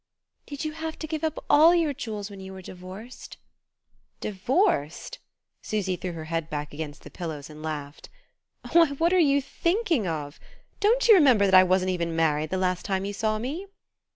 "Did you have to give up all your jewels when you were divorced?" "Divorced ?" Susy threw her head back against the pillows and laughed. "Why, what are you thinking of? Don't you remember that I wasn't even married the last time you saw me?"